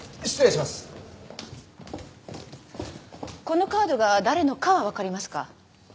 このカードが誰のかはわかりますか？